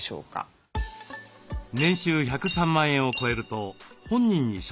年収１０３万円を超えると本人に所得税が発生。